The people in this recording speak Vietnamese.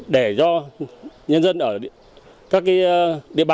để cho nhân dân ở các địa bàn các sở